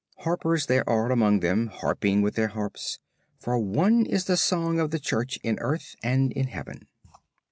Harpers there are among them harping with their harps; for one is the song of the Church in earth and in Heaven.